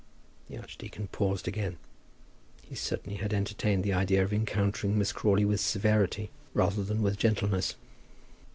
The archdeacon paused again. He certainly had entertained the idea of encountering Miss Crawley with severity rather than gentleness.